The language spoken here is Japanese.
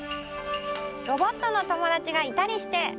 ロボットのともだちがいたりして。